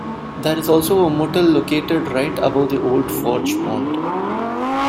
There is also a motel located right above the Old Forge Pond.